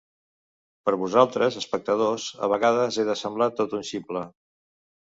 Per vosaltres espectadors, a vegades he de semblar tot un ximple.